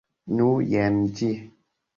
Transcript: Nu, jen ĝi.